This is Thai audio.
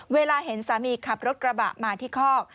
เวลาเห็นสามีขับรถกระบะมาที่คอก